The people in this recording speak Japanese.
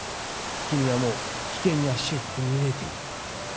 君はもう危険に足を踏み入れている。